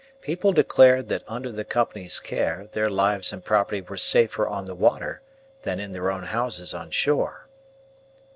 People declared that under the Company's care their lives and property were safer on the water than in their own houses on shore.